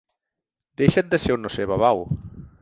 Deixa-t de ser o no ser, babau